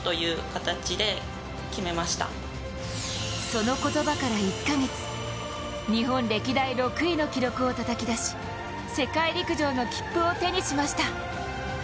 その言葉から１カ月日本歴代６位の記録をたたき出し世界陸上の切符を手にしました。